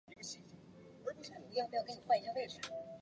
而伊底帕斯情结也是绝大部分心理疾病的中心。